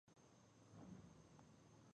د هوږې ګل د څه لپاره وکاروم؟